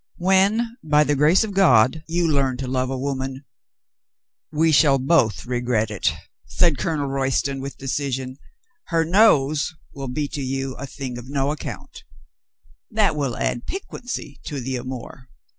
"When, by the grace of God, you learn to love a woman —" "We shall both regret it," said Colonel Royston with decision. "— her nose will be to you a thing of no ac count— " "That will add piquancy to the amour."